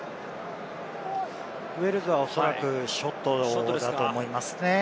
ウェールズはおそらくショットだと思いますね。